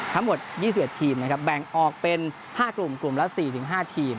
ทั้งหมด๒๑ทีมนะครับแบ่งออกเป็น๕กลุ่มกลุ่มละ๔๕ทีม